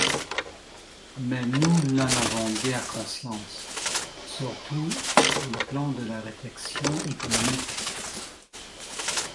Mais nous n’en avons guère conscience, surtout sur le plan de la réflexion économique.